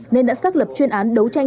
nên đã xác lập chuyên án đấu tranh